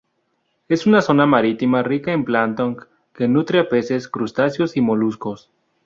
Es una zona marítima rica en plancton que nutre a peces, crustáceos y moluscos.